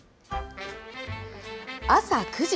朝９時。